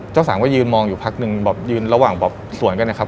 เจ้าสามก็ยืนมองอยู่พักนึงอยู่ระหว่างสวนกัน